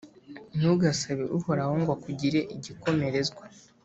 Ntugasabe Uhoraho ngo akugire igikomerezwa,